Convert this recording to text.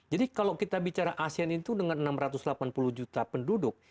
jadi kalau kita bicara asian itu dengan enam ratus delapan puluh juta penduduk